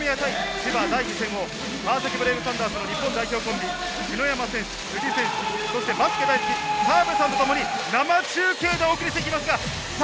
千葉の第２戦を川崎ブレイブサンダースの日本代表コンビ、篠山選手、辻選手、そしてバスケ大好き澤部さんとともに生中継でお送りしてきます。